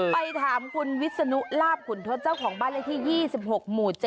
ไปถามคุณวิศนุลาบขุนทศเจ้าของบ้านเลขที่๒๖หมู่๗